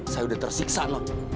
saya udah tersiksa nona